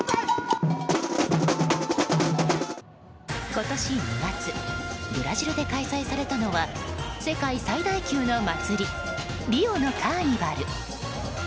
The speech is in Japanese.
今年２月ブラジルで開催されたのは世界最大級の祭りリオのカーニバル。